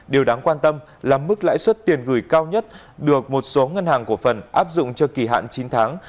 điều đáng quan tâm là mức lãi suất tiền gửi cao nhất được một số ngân hàng cổ phần áp dụng cho kỳ hạn chín tháng